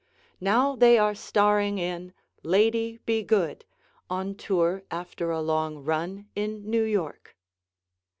Now they are starring in "Lady, Be Good," on tour after a long run in New York.